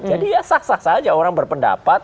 jadi ya sah sah saja orang berpendapat